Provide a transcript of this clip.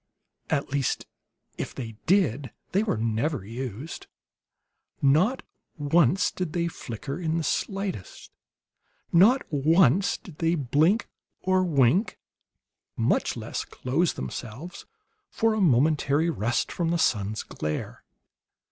At least, if they did, they were never used. Not once did they flicker in the slightest; not once did they blink or wink, much less close themselves for a momentary rest from the sun's glare.